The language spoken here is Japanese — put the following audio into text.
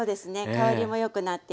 香りもよくなって。